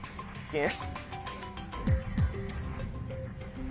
よし。